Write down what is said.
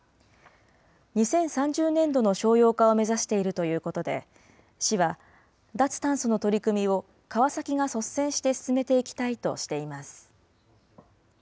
２０３０年度の商用化を目指しているということで、市は、脱炭素の取り組みを川崎が率先して進めていきたいとしています。